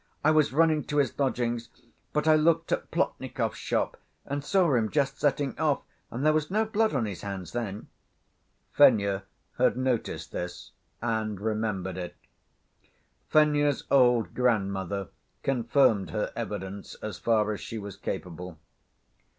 I was running to his lodgings, but I looked at Plotnikov's shop, and saw him just setting off, and there was no blood on his hands then." (Fenya had noticed this and remembered it.) Fenya's old grandmother confirmed her evidence as far as she was capable.